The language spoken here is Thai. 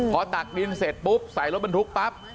พอตักดินเสร็จปุ๊บใส่รถบรรทุกปั๊บ